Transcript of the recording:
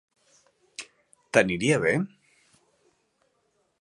T'aniria bé?